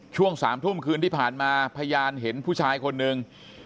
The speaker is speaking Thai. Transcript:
ช่วง๓ทุ่มคืนที่ผ่านมาพยานเห็นผู้ชายคนหนึ่ง